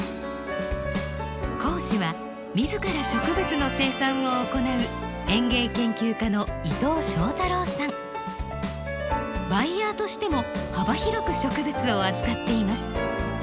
講師は自ら植物の生産を行うバイヤーとしても幅広く植物を扱っています。